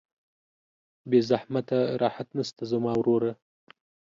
بې زحمته راحت نسته زما وروره